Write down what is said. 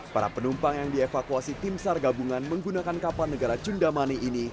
para penumpang yang dievakuasi tim sar gabungan menggunakan kapal negara cundamani ini